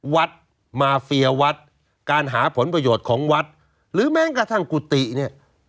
วัดมาเฟียวัดการหาผลประโยชน์ของวัดหรือแม้กระทั่งกุฏิเนี่ย